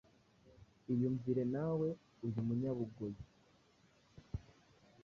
iyumvire nawe uyu munyabugoyi